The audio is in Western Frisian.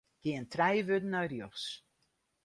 Gean trije wurden nei rjochts.